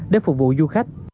để phục vụ du khách